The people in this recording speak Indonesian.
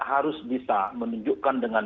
harus bisa menunjukkan dengan